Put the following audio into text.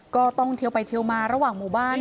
เทียวไปเทียวมาระหว่างหมู่บ้าน